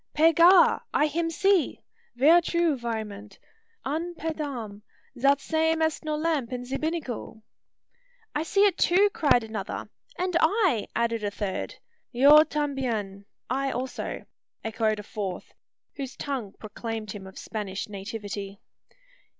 "Pe Gar! I him see. Ver true, vraiment! An pe dam! zat same est no lamp in ze binnacle!" "I see it too!" cried another. "And I!" added a third. "Io tambien!" (I also) echoed a fourth, whose tongue proclaimed him of Spanish nativity.